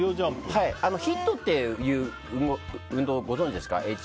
ＨＩＴっていう運動をご存じですか？